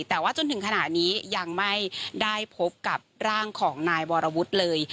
แต่ว่าจนถึงขณะนี้ยังไม่ได้พบกับร่างของนายวรวุฒิเลย